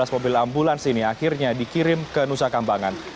dua belas mobil ambulans ini akhirnya dikirim ke nusa kambangan